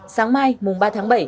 sáng mai mùng ba tháng bảy